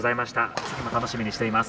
次も楽しみにしています。